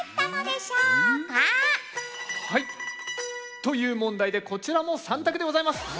という問題でこちらも３択でございます。